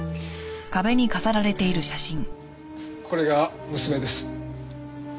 これが娘です。